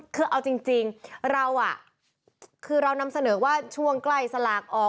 คือเอาจริงเราคือเรานำเสนอว่าช่วงใกล้สลากออก